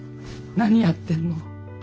何やってんの？